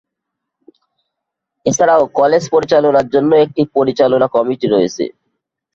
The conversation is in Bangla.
এছাড়াও কলেজ পরিচালনার জন্য একটি পরিচালনা কমিটি রয়েছে।